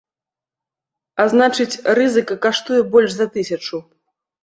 А значыць, рызыка каштуе больш за тысячу.